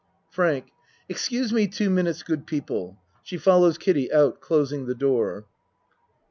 FRANK Excuse me two minutes, good people. (She follows Kiddie out closing the door.)